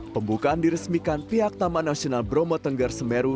pembukaan diresmikan pihak taman nasional bromo tengger semeru